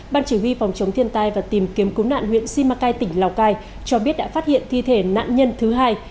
ban chỉ huy phòng chống thiên tai và tìm kiếm cứu nạn huyện simacai tỉnh lào cai cho biết đã phát hiện thi thể nạn nhân thứ hai